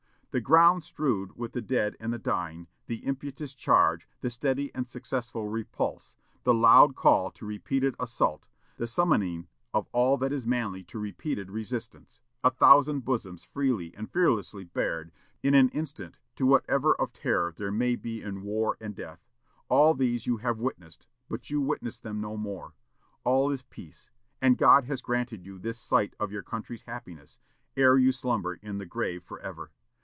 The ground strewed with the dead and the dying; the impetuous charge; the steady and successful repulse; the loud call to repeated assault, the summoning of all that is manly to repeated resistance; a thousand bosoms freely and fearlessly bared in an instant to whatever of terror there may be in war and death, all these you have witnessed, but you witness them no more.... All is peace; and God has granted you this sight of your country's happiness, ere you slumber in the grave forever.